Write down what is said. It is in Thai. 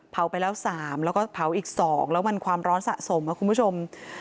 เผาไปแล้ว๓แล้วก็เผาอีก๒แล้วมันความร้อนสะสมคุณผู้ชม